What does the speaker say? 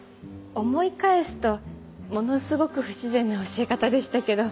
思い返すとものすごく不自然な教え方でしたけど。